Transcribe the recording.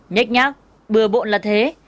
nhét nhát bừa bộn là thế